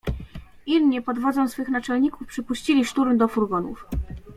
"„Inni pod wodzą swych naczelników przypuścili szturm do furgonów."